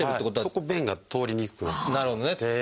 そこ便が通りにくくなって。